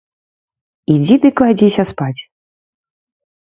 Ідзі ды кладзіся спаць.